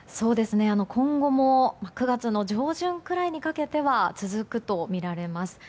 今後も９月の上旬くらいにかけては続くとみられます。